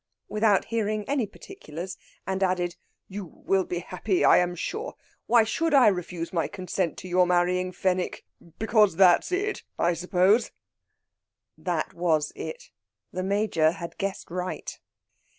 without hearing any particulars; and added: "You will be happier, I am sure. Why should I refuse my consent to your marrying Fenwick? Because that's it, I suppose?" That was it. The Major had guessed right.